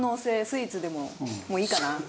スイーツでももういいかな。